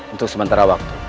untuk sementara waktu